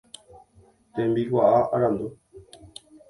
Tembikuaa arandu.